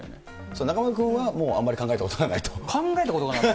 中丸君はもうあんまり考えた考えたことがない。